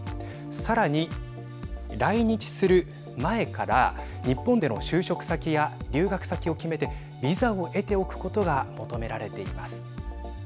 さらに、来日する前から日本での就職先や留学先を決めてビザを得ておくことが求められています。